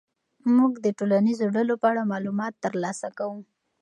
موږ د ټولنیزو ډلو په اړه معلومات ترلاسه کوو.